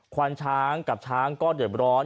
ควานช้างกับช้างก็เดือดร้อน